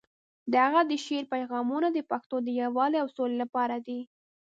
د هغه د شعر پیغامونه د پښتنو د یووالي او سولې لپاره دي.